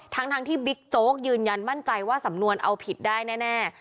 ทั้งที่บิ๊กโจ๊กยืนยันมั่นใจว่าสำนวนเอาผิดได้แน่